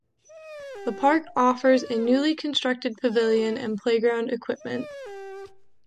The park offers a newly constructed pavilion and playground equipment.